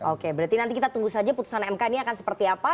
oke berarti nanti kita tunggu saja putusan mk ini akan seperti apa